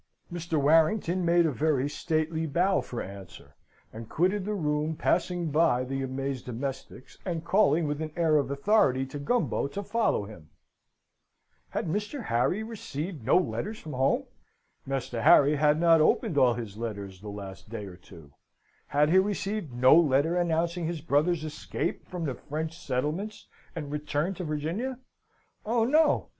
Mr. Warrington made a very stately bow for answer, and quitted the room, passing by the amazed domestics, and calling with an air of authority to Gumbo to follow him. Had Mr. Harry received no letters from home? Master Harry had not opened all his letters the last day or two. Had he received no letter announcing his brother's escape from the French settlements and return to Virginia? Oh no!